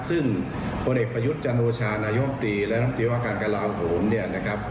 ซึ่งพลเอกประยุทธ์จันโอชานายมตรีและน้ำตรีว่าการกระลาโหมเนี่ยนะครับ